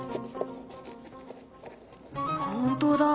本当だ。